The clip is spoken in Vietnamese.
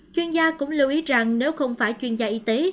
chuyên gia cũng lưu ý rằng nếu không phải chuyên gia y tế